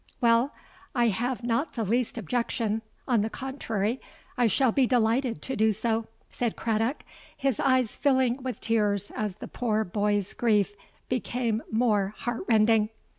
—'Well, I have not the least objection: on the contrary, I shall be delighted to do so,' said Craddock, his eyes filling with tears as the poor boy's grief became more heart rending.